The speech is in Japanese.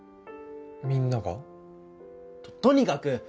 みんなが？ととにかく！